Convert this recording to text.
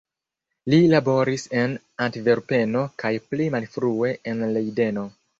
Li laboris en Antverpeno kaj pli malfrue en Lejdeno.